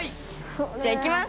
じゃあいきます。